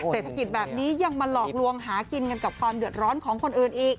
เศรษฐกิจแบบนี้ยังมาหลอกลวงหากินกันกับความเดือดร้อนของคนอื่นอีก